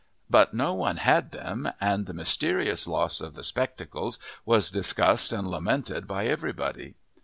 But no one had them, and the mysterious loss of the spectacles was discussed and lamented by everybody.